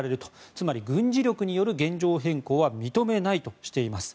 つまり軍事力による現状変更は認めないとしています。